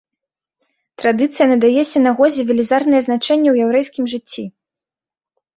Традыцыя надае сінагозе велізарнае значэнне ў яўрэйскім жыцці.